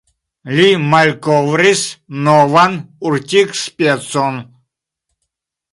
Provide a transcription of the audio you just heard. Li malkovris novan urtikospecon.